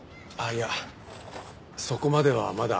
いやそこまではまだ。